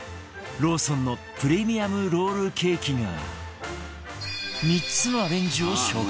ローソンのプレミアムロールケーキが３つのアレンジを紹介